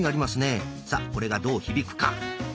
さあこれがどう響くか。